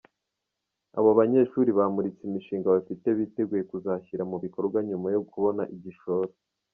Abo banyeshuri bamuritse imishinga bafite biteguye kuzashyira mu bikorwa nyuma yo kubona igishoro.